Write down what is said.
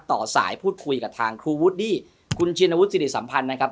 ต่อสายพูดคุยกับทางครูวูดดี้คุณชินวุฒิสิริสัมพันธ์นะครับ